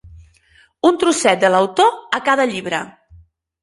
Un trosset de l’autor, a cada llibre.